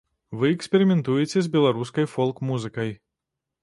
Вы эксперыментуеце з беларускай фолк-музыкай.